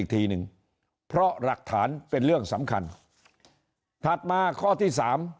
ถัดมาข้อที่๓